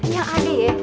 yang ade ye